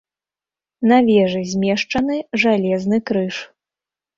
На вежы змешчаны жалезны крыж.